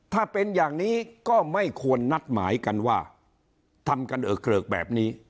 ถ้าเป็นอย่างนี้ก็ไม่ควรนัดหมายกันว่าทำกันเออเกริกแบบนี้